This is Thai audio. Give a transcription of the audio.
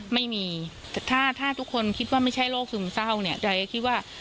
ไม่มีแต่ถ้าถ้าทุกคนคิดว่าไม่ใช่โรคซึมเศร้าเนี่ยใจคิดว่า